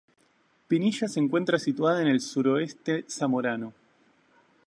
Pinilla se encuentra situada en el suroeste zamorano.